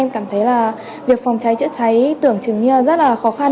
cảm thấy việc phòng cháy chữa cháy tưởng chứng rất khó khăn